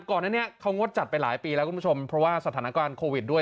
ก่อนหน้านี้เขางดจัดไปหลายปีแล้วคุณผู้ชมเพราะว่าสถานการณ์โควิดด้วย